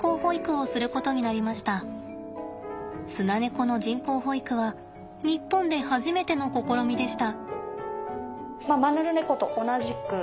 スナネコの人工哺育は日本で初めての試みでした。